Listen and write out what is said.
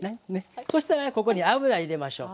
そしたらここに油入れましょう。